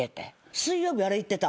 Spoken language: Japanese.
水曜日あれ行ってた。